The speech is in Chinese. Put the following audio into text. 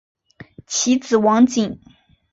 其子王景。